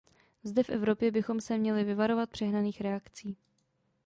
Zde v Evropě bychom se měli vyvarovat přehnaných reakcí.